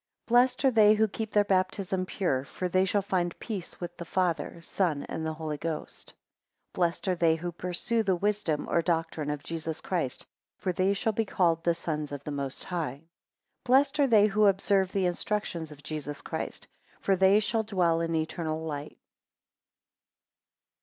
18 Blessed are they who keep their baptism pure; for they shall find peace with the Father, Son, and Holy Ghost. 19 Blessed are they who pursue the wisdom or doctrine of Jesus Christ; for they shall be called the sons of the Most High. 20 Blessed are they who observe the instructions of Jesus Christ; for they shall dwell in eternal light.